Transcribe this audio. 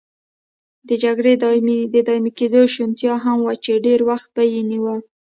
د جګړې د دایمي کېدو شونتیا هم وه چې ډېر وخت به یې نیوه.